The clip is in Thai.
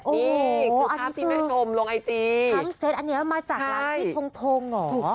นี่คือภาพที่แม่ชมลงไอจีทั้งเซตอันนี้มาจากร้านซี่ทงทงเหรอ